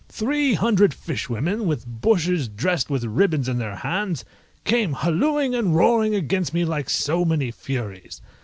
Three hundred fishwomen, with bushes dressed with ribbons in their hands, came hallooing and roaring against me like so many furies.